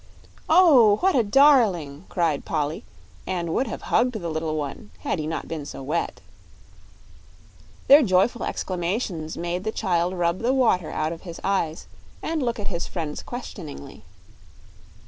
"Oh, what a darling!" cried Polly, and would have hugged the little one had he not been so wet. Their joyful exclamations made the child rub the water out of his eyes and look at his friends questioningly.